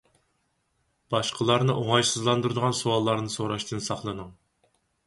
باشقىلارنى ئوڭايسىزلاندۇرىدىغان سوئاللارنى سوراشتىن ساقلىنىڭ.